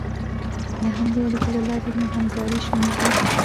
د همدې اړیکې له لارې مو همکاري شونې کړه.